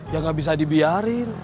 ya gak bisa dibiarin